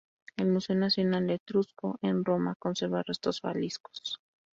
El Museo Nacional Etrusco, en Roma, conserva restos faliscos.